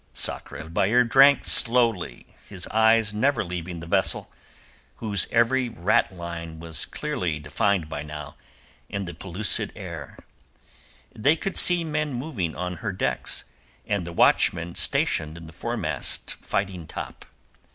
Sakr el Bahr drank slowly, his eyes never leaving the vessel, whose every ratline was clearly defined by now in the pellucid air. They could see men moving on her decks, and the watchman stationed in the foremast fighting top.